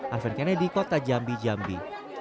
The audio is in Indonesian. alven kennedy kota jambi jambi